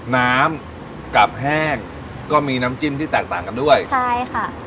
น้ำกับแห้งก็มีน้ำจิ้มที่แตกต่างกันด้วยใช่ค่ะ